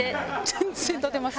全然立てます！